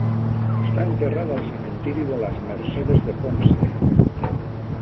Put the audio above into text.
Està enterrat al cementiri de Las Mercedes de Ponce.